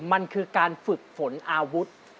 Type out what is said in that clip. มันคือการฝึกฝนอาวุธ